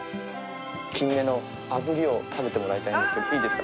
キンメのあぶりを食べてもらいたいんですけど、いいですか？